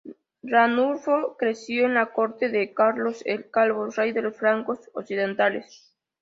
Ranulfo creció en la corte de Carlos el Calvo, rey de los francos occidentales.